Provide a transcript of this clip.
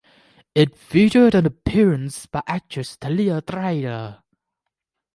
It featured an appearance by actress Talia Ryder.